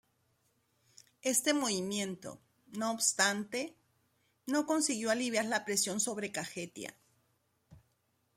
Este movimiento, no obstante, no consiguió aliviar la presión sobre Kajetia.